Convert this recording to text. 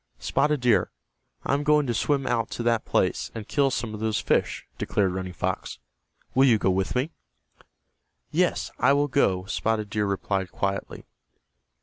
"Spotted Deer, I am going to swim out to that place, and kill some of those fish," declared Running Fox. "Will you go with me?" "Yes, I will go," Spotted Deer replied, quietly.